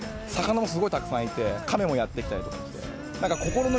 魚もすごいたくさんいてカメもやって来たりとかして。